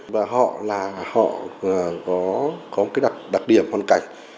và họ có đặc điểm hoàn cảnh